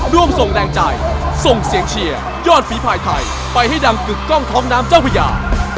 ร่วมส่งแรงใจส่งเสียงเชียร์ยอดฝีภายไทยไปให้ดังกึกกล้องท้องน้ำเจ้าพญา